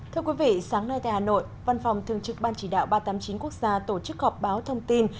thưa quý vị sáng nay tại hà nội văn phòng thương trực ban chỉ đạo ba trăm tám mươi chín quốc gia tổ chức họp báo thông tin